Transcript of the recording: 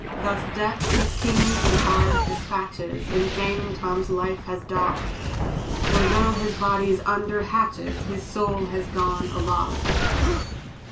Thus death, who kings and tars dispatches, In vain Tom's life has doffed; For though his body's under hatches, His soul is gone aloft!"